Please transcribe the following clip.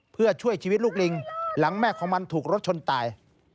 เพื่อช่วยชีวิตลูกลิงหลังแม่ของมันถูกรถชนตาย